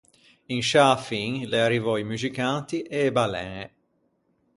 In sciâ fin, l’é arrivou i muxicanti e e ballæñe.